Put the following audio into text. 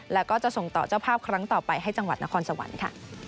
แล้วก็จะส่งต่อเจ้าภาพครั้งต่อไปให้จังหวัดนครสวรรค์ค่ะ